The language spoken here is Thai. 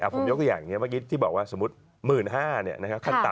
ผมยกตัวอย่างนี้เมื่อกี้ที่บอกว่าสมมุติ๑๕๐๐ขั้นต่ำ